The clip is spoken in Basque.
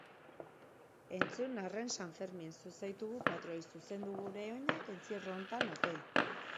Entzun arren San Fermin, zu zaitugu patroi, zuzendu gure oinak, entzierro hontan otoi.